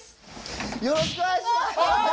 よろしくお願いします！